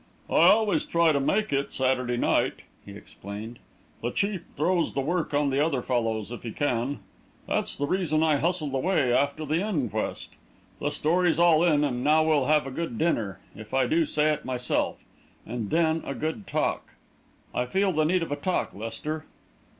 "I always try to make it, Saturday night," he explained. "The chief throws the work on the other fellows, if he can. That's the reason I hustled away after the inquest. The story's all in, and now we'll have a good dinner if I do say it myself and then a good talk. I feel the need of a talk, Lester."